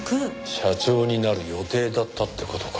社長になる予定だったって事か。